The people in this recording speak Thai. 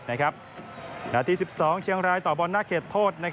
นาที๑๒เชียงรายต่อบอลหน้าเขตโทษ